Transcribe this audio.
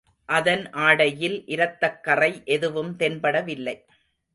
அதன் ஆடையில் இரத்தக் கறை எதுவும் தென்படவில்லை.